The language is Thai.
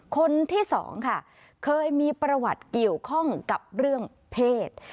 คนที่สองค่ะเคยมีประวัติเกี่ยวข้องกับเรื่องเพศ